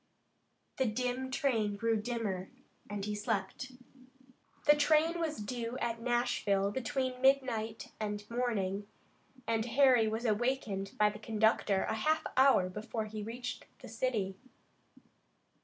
The dim train grew dimmer, and he slept. The train was due at Nashville between midnight and morning, and Harry was awakened by the conductor a half hour before he reached the city.